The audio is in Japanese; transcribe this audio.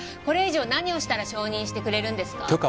これ以上何をしたら承認してくれるんですか？